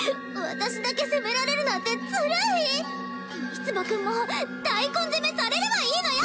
私だけ責められるなんてズルイミツバくんも大根責めされればいいのよ！